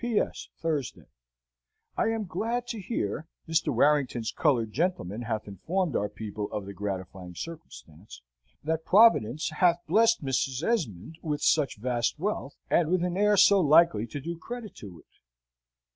"P.S. Thursday. "I am glad to hear (Mr. Warrington's coloured gentleman hath informed our people of the gratifying circumstance) that Providence hath blessed Mrs. Esmond with such vast wealth, and with an heir so likely to do credit to it.